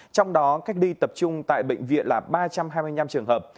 trong đó cách ly tập trung tại bệnh viện là ba trăm hai mươi năm trường hợp